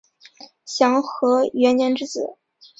享和元年之子。